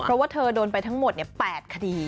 เพราะว่าเธอโดนไปทั้งหมด๘คดี